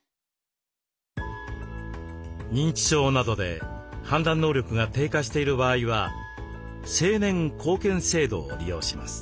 認知症などで判断能力が低下している場合は「成年後見制度」を利用します。